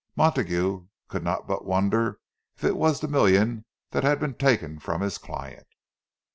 Montague could not but wonder if it was the million that had been taken from his client!